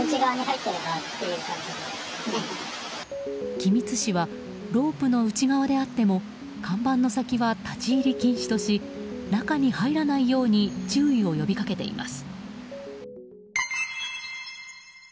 君津市はロープの内側であっても看板の先は立ち入り禁止とし中に入らないように注意を呼びかけています。